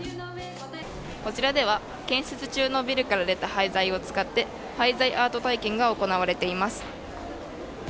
こちらでは建設中のビルから出た廃材を使って廃材アート体験が行われています。